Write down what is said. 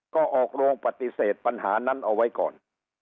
ก็ออกโรงปฏิเสธปัญหานั้นเอาไว้ก่อน